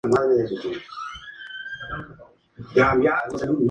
Un área está dedicada al líder del movimiento nacionalista Don Pedro Albizu Campos.